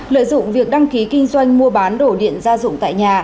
lợi dụng việc đăng ký kinh doanh mua bán đổ điện gia dụng tại nhà